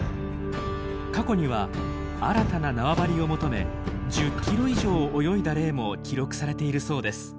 過去には新たな縄張りを求め１０キロ以上泳いだ例も記録されているそうです。